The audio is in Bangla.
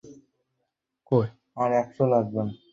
হেই, হ্যারোল্ড আর মেরি!